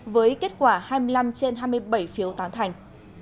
với kết quả hai mươi năm trên hai mươi bảy phiếu tán thành